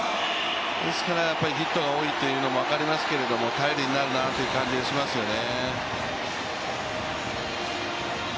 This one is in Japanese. ですからヒットが多いというのは分かりますけど頼りになるなという感じがしますよね。